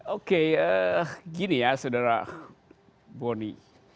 oke gini ya saudara boni